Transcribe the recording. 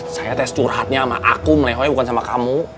saya tes curhatnya sama akum leho ya bukan sama kamu